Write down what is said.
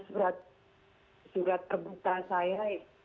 surat surat terbuka saya